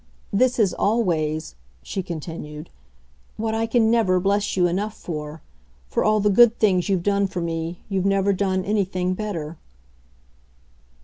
This is always," she continued, "what I can never bless you enough for; of all the good things you've done for me you've never done anything better."